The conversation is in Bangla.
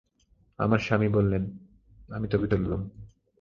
আমার স্বামী বললেন, আমি তবে চললুম।